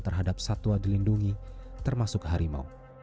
terhadap satwa dilindungi termasuk harimau